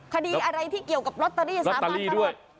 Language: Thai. คดีอะไรที่เกี่ยวกับลอตเตอรี่สาบานตำรวจ